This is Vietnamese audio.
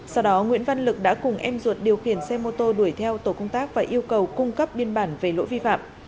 sau đó nguyễn văn lực đã cùng em ruột điều khiển xe mô tô đuổi theo tổ công tác và yêu cầu cung cấp biên bản về lỗi vi phạm